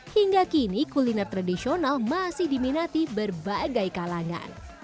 hingga kini kuliner tradisional masih diminati berbagai kalangan